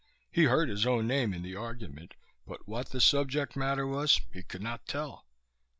He heard his own name in the argument, but what the subject matter was he could not tell.